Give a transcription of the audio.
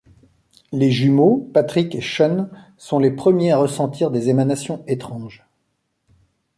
Les jumeaux, Patrick et Sean sont les premiers à ressentir des émanations étranges.